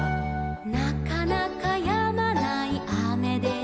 「なかなかやまないあめでした」